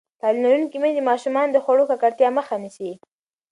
تعلیم لرونکې میندې د ماشومانو د خوړو ککړتیا مخه نیسي.